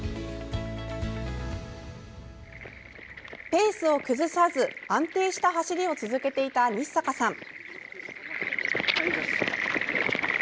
ペースを崩さず、安定した走りを続けていた日坂さん。